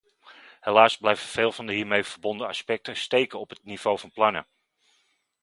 Helaas blijven veel van de hiermee verbonden aspecten steken op het niveau van plannen.